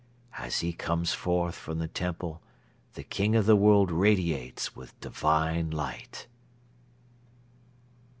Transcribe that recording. As he comes forth from the temple, the King of the World radiates with Divine Light."